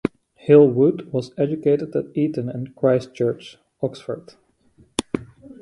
Hill-Wood was educated at Eton and Christ Church, Oxford.